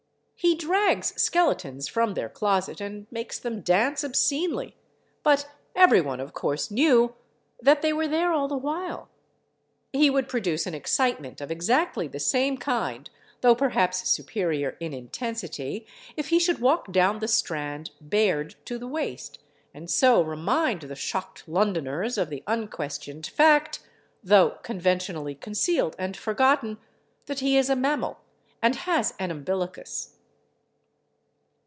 He drags skeletons from their closet and makes them dance obscenely—but every one, of course, knew that they were there all the while. He would produce an excitement of exactly the same kind (though perhaps superior in intensity) if he should walk down the Strand bared to the waist, and so remind the shocked Londoners of the unquestioned fact (though conventionally concealed and forgotten) that he is a mammal, and has an umbilicus.